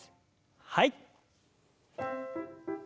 はい。